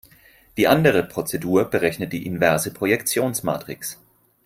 Die andere Prozedur berechnet die inverse Projektionsmatrix.